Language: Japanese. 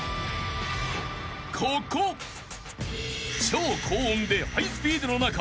［超高音でハイスピードの中